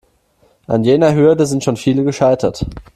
An jener Hürde sind schon viele gescheitert.